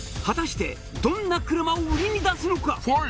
「果たしてどんな車を売りに出すのか！？」